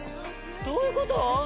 どういうこと？